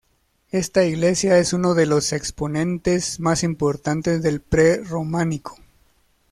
Esta iglesia es uno de los exponentes más importantes del pre-románico.